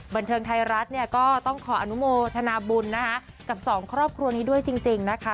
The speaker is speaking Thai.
บันเทิงไทยรัฐเนี่ยก็ต้องขออนุโมทนาบุญนะคะกับสองครอบครัวนี้ด้วยจริงนะคะ